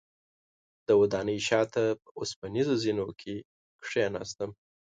د ودانۍ شاته په اوسپنیزو زینو کې کیناستم.